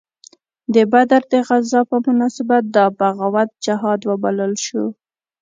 د بدر د غزا په مناسبت دا بغاوت جهاد وبلل شو.